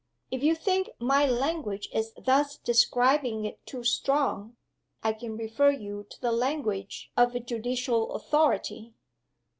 If you think my language in thus describing it too strong I can refer you to the language of a judicial authority.